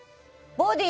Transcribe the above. ボディー？